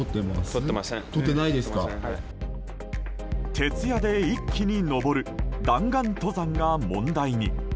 徹夜で一気に登る弾丸登山が問題に。